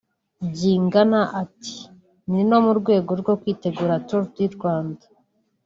Byingana ati “Ni no mu rwego rwo kwitegura Tour du Rwanda